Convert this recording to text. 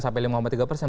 sampai lima tiga persen